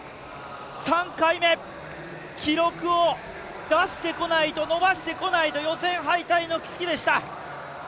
３回目、記録を出してこないと伸ばしてこないと予選敗退の危機でした。